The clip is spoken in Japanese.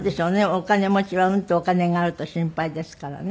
お金持ちはうんとお金があると心配ですからね。